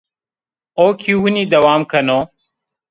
O kî winî dewam keno